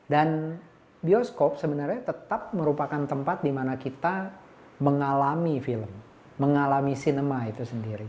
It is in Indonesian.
dan bioskop sebenarnya tetap merupakan tempat di mana kita mengalami film mengalami sinema itu sendiri